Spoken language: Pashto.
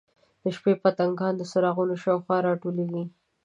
د شپې پتنګان د څراغونو شاوخوا راټولیږي.